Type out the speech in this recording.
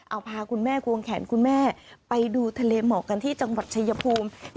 เอาพาคุณแม่กวงแขนคุณแม่ไปดูทะเลหมอกกันที่จังหวัดชายภูมิ